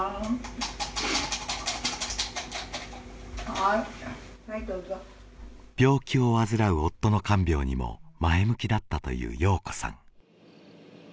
はいはいどうぞ病気を患う夫の看病にも前向きだったという陽子さん